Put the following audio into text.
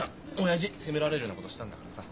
親父責められるようなことしたんだからさ。